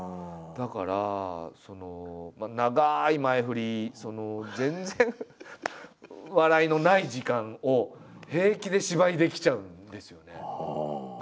だから長い前振り全然笑いのない時間を平気で芝居できちゃうんですよね。